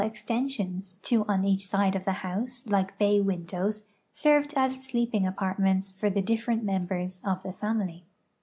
xtensions, two on each side of the house, like hay windows, served as sleeping apartments for the difi'erent meml)ers of the family.